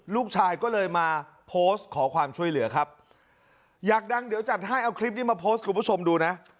ลูกชายก็เลยมาโพสต์ขอความช่วยเหลือครับอยากดังเดี๋ยวจัดให้เอาคลิปนี้มาโพสต์คุณผู้ชมดูนะ